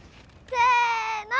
せの。